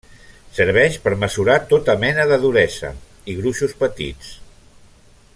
Serveix per mesurar tota mena de duresa, i gruixos petits.